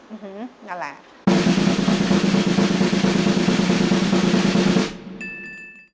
อื้อฮือนั่นแหละ